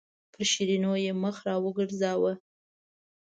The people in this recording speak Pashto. پر شیرینو یې مخ راوګرځاوه.